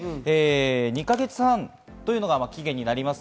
２か月半というのが期限になります。